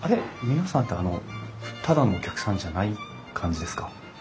皆さんってあのただのお客さんじゃない感じですか？